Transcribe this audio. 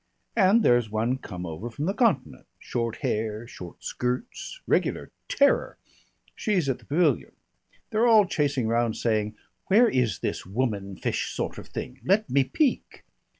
And there's one come over from the Continent, short hair, short skirts regular terror she's at the Pavilion. They're all chasing round saying, 'Where is this woman fish sort of thing? Let me peek!'"